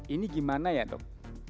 ini gimana ya dok